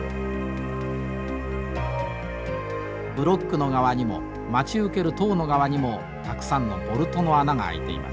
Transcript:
ブロックの側にも待ち受ける塔の側にもたくさんのボルトの穴が開いています。